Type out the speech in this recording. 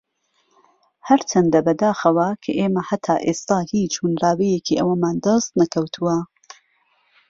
ھەرچەندە بەداخەوە کە ئێمە ھەتا ئێستا ھیچ ھۆنراوەیەکی ئەومان دەست نەکەوتووە